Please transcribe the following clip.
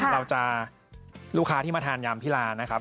เราจะลูกค้าที่มาทานยำที่ลานะครับ